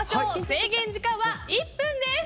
制限時間は１分です。